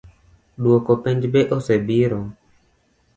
Duoko penj be osebiro?